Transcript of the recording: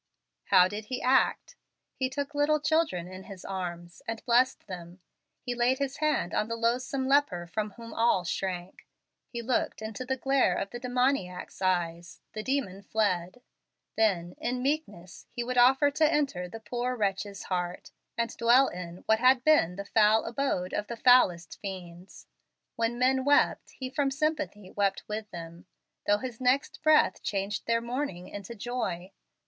How did He act? He took little children in His arms, and blessed them. He laid His hand on the loathsome leper from whom all shrank. He looked into the glare of the demoniac's eyes: the demons fled. Then, in meekness, He would offer to enter the poor wretch's heart, and dwell in what had been the foul abode of the foulest fiends. When men wept, He, from sympathy, wept with them, though his next breath changed their mourning into joy.